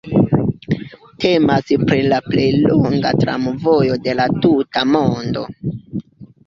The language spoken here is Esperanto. Temas pri la plej longa tramvojo de la tuta mondo.